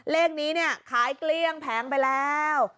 เลขนี้เนี่ยขายเกลี้ยงแผงไปแล้ว